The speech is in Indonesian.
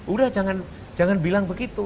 udah jangan bilang begitu